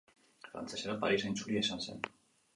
Frantsesera, Parisen itzulia izan zen.